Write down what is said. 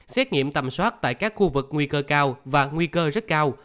xét nghiệm tầm soát tại các khu vực nguy cơ cao và nguy cơ rất cao